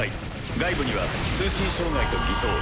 外部には通信障害と偽装。